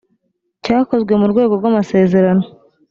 cyakozwe mu rwego rw amasezerano